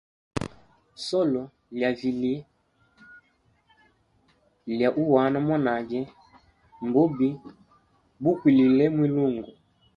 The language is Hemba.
Solo lya vilye lya uhana mwanage mbubi bukwilile mwilungu.